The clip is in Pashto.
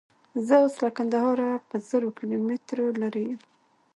زه اوس له کندهاره په زرو کیلومتره لیرې یم.